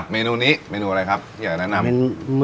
เมนูนี้เมนูอะไรครับที่อยากแนะนำ